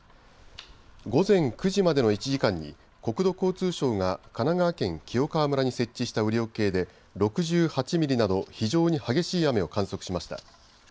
午前９時までの１時間に国土交通省が神奈川県清川村に設置した雨量計で６８ミリなど非常に激しい雨を観測しました。